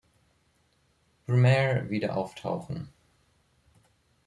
Brumaire wieder auftauchen.